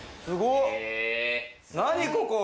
何ここ。